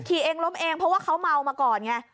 ขี่เองล้มเองเพราะว่าเขาเมามาก่อนไง